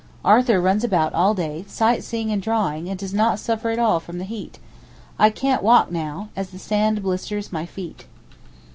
Arthur runs about all day, sight seeing and drawing, and does not suffer at all from the heat. I can't walk now, as the sand blisters my feet.